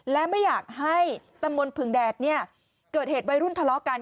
และไม่อยากให้ตำบลผึงแดดเนี่ยเกิดเหตุวัยรุ่นทะเลาะกัน